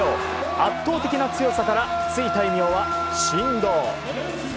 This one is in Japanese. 圧倒的な強さからついた異名は神童。